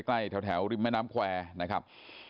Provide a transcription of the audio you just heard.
ใกล้แถวริมแม่น้ำแควร์นะครับ